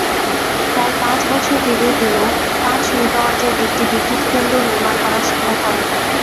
প্রায় পাঁচ বছর পেরিয়ে গেলেও পাঁচ মেগাওয়াটের একটি বিদ্যুৎকেন্দ্র নির্মাণ করা সম্ভব হয়নি।